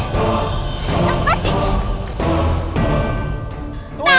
saya bukannya ya